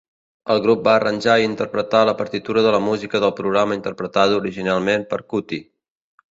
El grup va arranjar i interpretar la partitura de la música del programa interpretada originalment per Kuti.